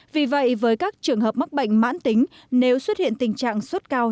vì vậy với các trường hợp mắc bệnh mãn tính nếu xuất hiện tình trạng sốt cao